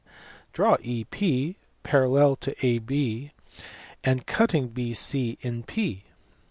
Draw EP parallel to AB and cutting BC in P.